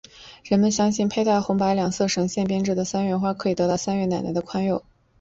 人们相信佩戴红白两色线绳编织的三月花可以得到三月奶奶的宽宥。